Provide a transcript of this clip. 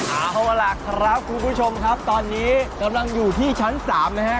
เอาล่ะครับคุณผู้ชมครับตอนนี้กำลังอยู่ที่ชั้น๓นะฮะ